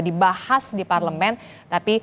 dibahas di parlemen tapi